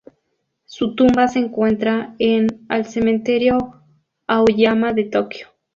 Su tumba se encuentra en al Cementerio Aoyama de Tokio.